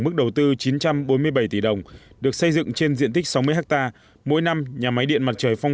mức đầu tư chín trăm bốn mươi bảy tỷ đồng được xây dựng trên diện tích sáu mươi ha mỗi năm nhà máy điện mặt trời phong